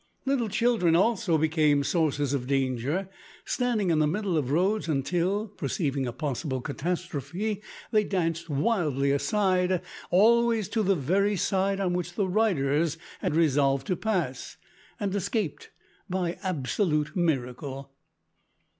Little children, also, became sources of danger, standing in the middle of roads until, perceiving a possible catastrophe, they dashed wildly aside always to the very side on which the riders had resolved to pass, and escaped by absolute miracle!